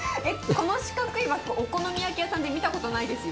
この四角い枠、お好み焼き屋さんで見たことないですよ。